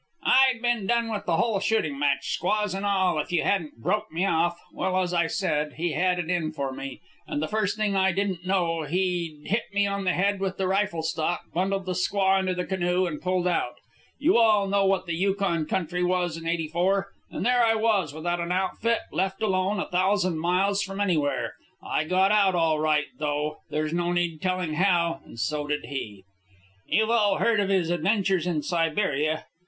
"I'd been done with the whole shooting match, squaws and all, if you hadn't broke me off. Well, as I said, he had it in for me, and the first thing I didn't know, he'd hit me on the head with a rifle stock, bundled the squaw into the canoe, and pulled out. You all know what the Yukon country was in '84. And there I was, without an outfit, left alone, a thousand miles from anywhere. I got out all right, though there's no need of telling how, and so did he. You've all heard of his adventures in Siberia.